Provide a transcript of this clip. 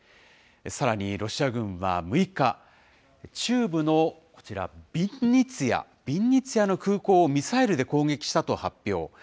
さらにロシア軍は６日、中部のこちら、ビンニツィアの空港をミサイルで攻撃したと発表。